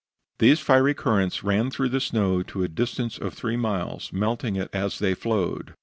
These fiery currents ran through the snow to a distance of three miles, melting it as they flowed.